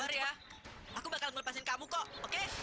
sabar ya aku bakal ngelepasin kamu kok oke